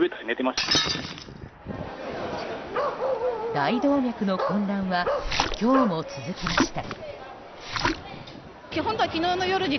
大動脈の混乱は今日も続きました。